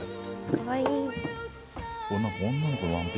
かわいい。